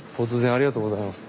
ありがとうございます。